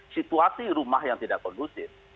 situasi rumah yang tidak kondusif